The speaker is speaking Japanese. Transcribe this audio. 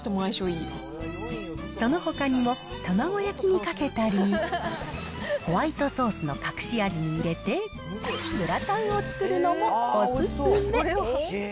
そのほかにも、卵焼きにかけたり、ホワイトソースの隠し味に入れて、グラタンを作るのもお勧め。